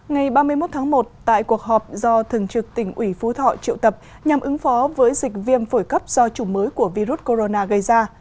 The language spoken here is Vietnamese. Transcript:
ngày ba mươi một tháng một tại cuộc họp do thường trực tỉnh ủy phú thọ triệu tập nhằm ứng phó với dịch viêm phổi cấp do chủng mới của virus corona gây ra